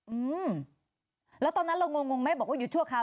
อืมแล้วตอนนั้นเรางงงงไหมบอกว่าหยุดชั่วครา